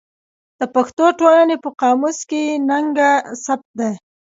د پښتو ټولنې په قاموس کې نګه ثبت ده.